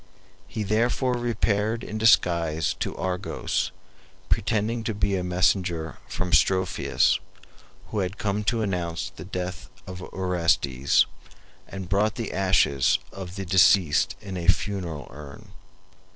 He therefore repaired in disguise to Argos, pretending to be a messenger from Strophius, who had come to announce the death of Orestes, and brought the ashes of the deceased in a funeral urn.